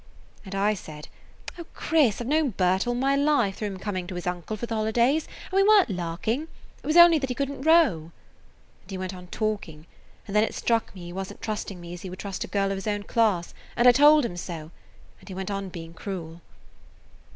And I said: 'O Chris, I 've known Bert all my life through him coming to his uncle for the holidays, and we were n't larking. It was only that he couldn't row.' And he went on talking, and then it struck me he wasn't trusting me as he would trust a girl of his own class, and I told him so, and he went on being cruel.